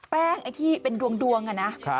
แป้งไอ้ที่เป็นดวงน่ะนะ